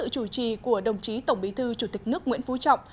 thì của đồng chí tổng bí thư chủ tịch nước nguyễn phú trọng